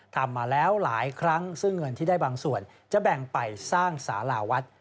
ทำมาแล้วหลายครั้งซึ่งเงินที่ได้บางส่วนจะแบ่งไปสร้างสาราวัด